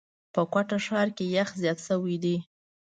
په کوټه ښار کي یخ زیات شوی دی.